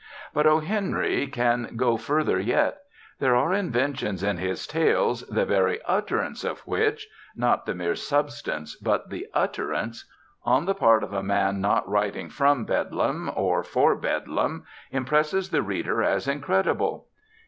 But O. Henry can go further yet. There are inventions in his tales the very utterance of which not the mere substance but the utterance on the part of a man not writing from Bedlam or for Bedlam impresses the reader as incredible.